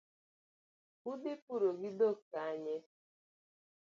Udhi puro gi dhok kanye?